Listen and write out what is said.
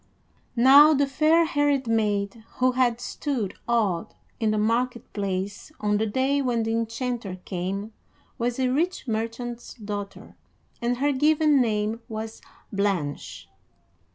Now the fair haired maid who had stood awed in the market place on the day when the enchanter came was a rich merchant's daughter, and her given name was Blanche.